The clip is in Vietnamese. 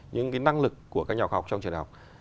những năng lực của các nhà khoa học trong trường đại học